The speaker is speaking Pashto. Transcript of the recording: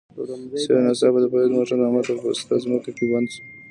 چې یو ناڅاپه د فرید موټر همالته په پسته ځمکه کې بند شو.